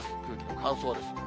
空気も乾燥です。